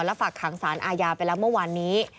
และฝากขังสารอาญาไปแล้วเมื่อวานนี้